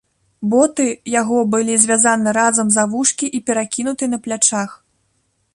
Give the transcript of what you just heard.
Боты яго былі звязаны разам за вушкі і перакінуты на плячах.